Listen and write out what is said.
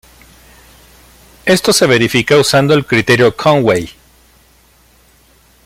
Esto se verifica usando el criterio de Conway.